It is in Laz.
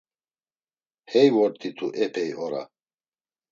Hey vort̆itu epey ora.